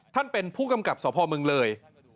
ท่านเป็นผู้กำกับสพเมืองเลย